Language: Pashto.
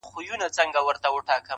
که نه نو ولي بيا جواب راکوي,